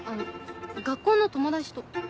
学校の友達と。